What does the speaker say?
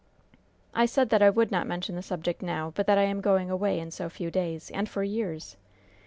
"I said that I would not mention the subject now but that I am going away in so few days, and for years!